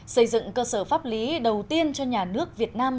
xây dựng cơ sở pháp lý đầu tiên cho nhà nước việt nam